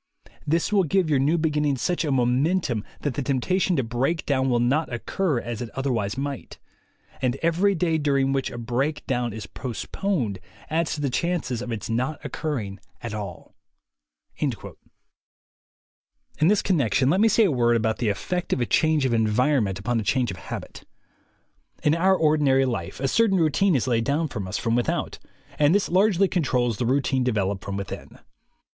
This will give your new beginning such a momentum that the temptation to break down will not occur as it other wise might; and every day during which a break down is postponed adds to the chances of its not occurring at all." In this connection let me say a word about the THE WAY TO WILL POWER 79 effect of a change of environment upon a change of habit. In our ordinary life a certain routine is laid down for us from without, and this largely controls the routine developed from within.